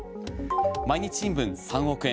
毎日新聞、３億円。